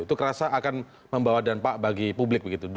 itu kerasa akan membawa dampak bagi publik begitu